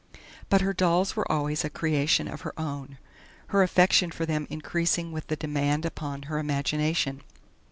But her dolls were always a creation of her own her affection for them increasing with the demand upon her imagination.